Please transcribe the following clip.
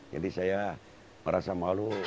jadi saya merasa malu